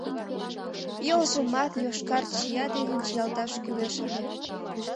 Йолжымат йошкар чия дене чиялташ кӱлеш ыле.